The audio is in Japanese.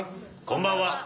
こんばんは。